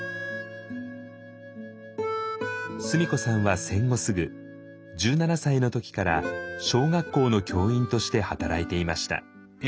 須美子さんは戦後すぐ１７歳の時から小学校の教員として働いていました。